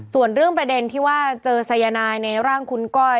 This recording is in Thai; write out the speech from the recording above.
ส่วนเรื่องประเด็นที่ว่าเจอสายนายในร่างคุณก้อย